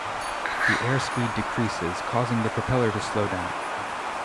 The airspeed decreases, causing the propeller to slow down.